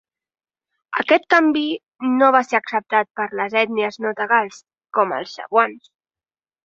Aquest canvi no va ser acceptat per les ètnies no tagals com els cebuans.